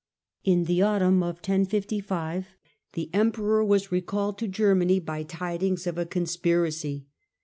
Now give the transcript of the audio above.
In the autumn of 1055 the emperor was recalled to Germany by tidings of a conspiracy.